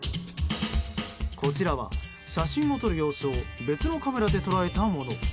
こちらは、写真を撮る様子を別のカメラで捉えたもの。